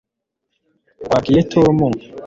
Wabwiye Tom